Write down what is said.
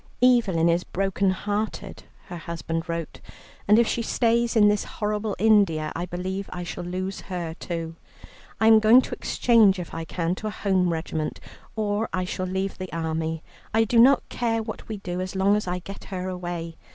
"Evelyn is broken hearted," her husband wrote, "and if she stays in this horrible India I believe I shall lose her too. I am going to exchange if I can to a home regiment, or I shall leave the army. I do not care what we do as long as I get her away.